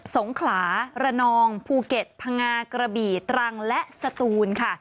สงขลาระนองภูเก็ตพังงากระบี่ตรังและสตูนค่ะ